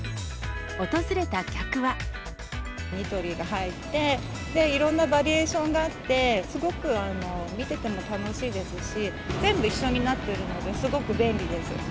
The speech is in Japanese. ニトリが入って、いろんなバリエーションがあって、すごく見てても楽しいですし、全部一緒になっているので、すごく便利です。